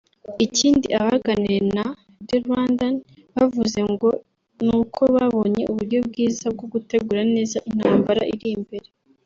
Ikindi abaganiriye na The Rwandan bavuze ngo ni uko babonye uburyo bwiza bwo gutegura neza intambara iri imbere